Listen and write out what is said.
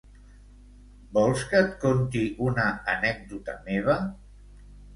Vols que et conti una anècdota meva?